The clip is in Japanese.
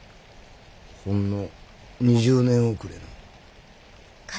ほんの２０年遅れの。敵？敵。